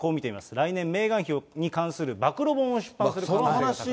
来年、メーガン妃に関する暴露本を出版する可能性が高い。